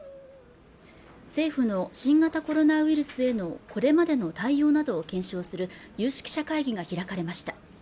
政府の新型コロナウイルスへのこれまでの対応などを検証する有識者会議が開かれました